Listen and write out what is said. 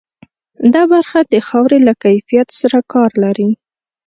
دا برخه د خاورې له کیفیت سره کار لري.